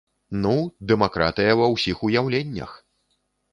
Ну, дэмакратыя ва ўсіх уяўленнях!